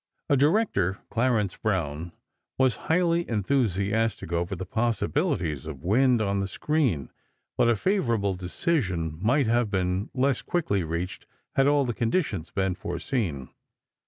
A director, Clarence Brown, was highly enthusiastic over the possibilities of "Wind" on the screen, but a favorable decision might have been less quickly reached had all the conditions been foreseen.